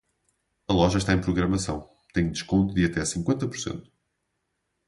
A loja está em programação, tem desconto de até cinquenta por cento.